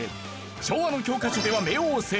昭和の教科書では冥王星